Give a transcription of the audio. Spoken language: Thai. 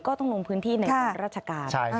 ก็ต้องลงพื้นที่ในทางราชการ